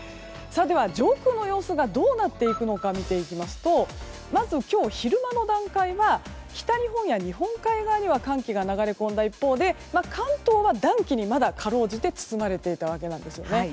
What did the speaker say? では上空の様子がどうなっていくのか見ていきますとまず今日昼間の段階は北日本や日本海側には寒気が流れ込んだ一方で関東は暖気にまだかろうじて包まれていたわけなんですよね。